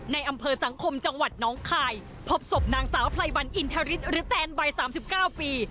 ในอำเภอสังคมจังหวัดน้องคายพบศพนางสาวไพรวันอินทริสหรือแตนวัย๓๙ปี